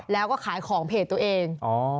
แล้วก็ขายของเพจตัวเอง